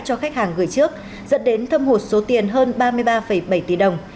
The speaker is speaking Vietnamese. cho khách hàng gửi trước dẫn đến thâm hụt số tiền hơn ba mươi ba bảy tỷ đồng